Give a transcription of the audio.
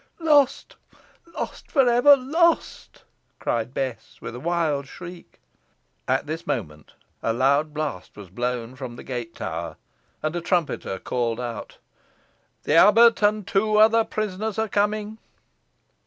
"Lost! lost! for ever lost!" cried Bess, with a wild shriek. At this moment a loud blast was blown from the gate tower, and a trumpeter called out, "The abbot and the two other prisoners are coming."